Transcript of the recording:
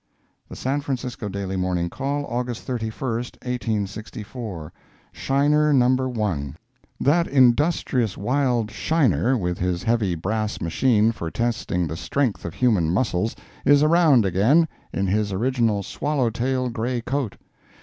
The San Francisco Daily Morning Call, August 31, 1864 "SHINER NO. 1" That industrious wild "Shiner" with his heavy brass machine for testing the strength of human muscles, is around again, in his original swallow tail gray coat.